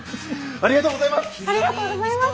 ありがとうございます！